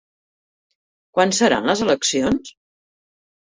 Quan seran les eleccions?